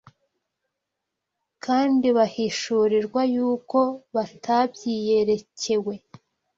Kandi bahishurirwa yuko batabyiyerekewe